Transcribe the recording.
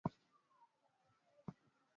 zinajali kwanza maslahi ya watu wa Cuba